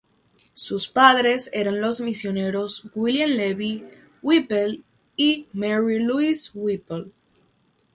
Sus padres eran los misioneros William Levi Whipple y Mary Louise Whipple.